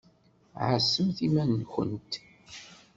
Ɛasemt iman-nkent!